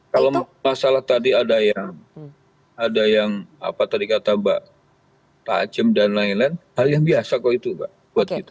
kalau masalah tadi ada yang apa tadi kata mbak tajim dan lain lain hal yang biasa kok itu mbak buat kita